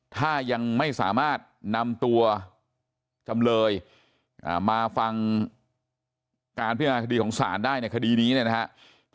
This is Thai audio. ถ้ายังไม่สามารถนำตัวจำเลยมาฟังการพิจารณาคดีของศาลได้ในคดีนี้เนี่ยนะครับ